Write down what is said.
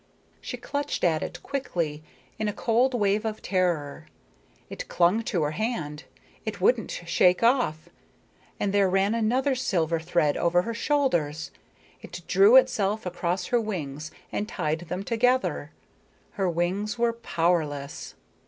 She clutched at it quickly, in a cold wave of terror. It clung to her hand; it wouldn't shake off. And there ran another silver thread over her shoulders. It drew itself across her wings and tied them together her wings were powerless.